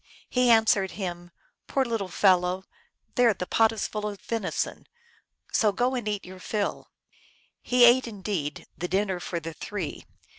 He answered him, " Poor little fellow ! there, the pot is full of venison, so go and eat your fill." He ate, indeed, the dinner for the three.